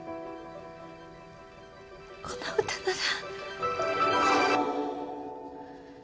この歌なら。